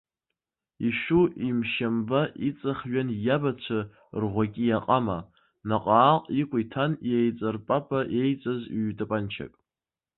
Ишәу имшьамба иҵахҩан иабацәа рӷәакьиа ҟама, наҟааҟ икәа иҭан еиҵарпапа еиҵаз ҩ-тапанчак.